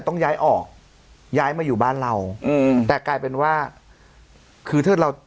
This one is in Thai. ต้องย้ายออกย้ายมาอยู่บ้านเราอืมแต่กลายเป็นว่าคือถ้าเรา